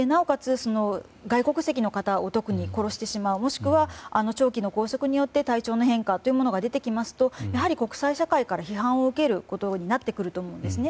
特に外国籍の方を殺してしまうもしくは、長期の拘束によって体調の変化というものが出てきますとやはり国際社会から批判を受けることになると思うんですね。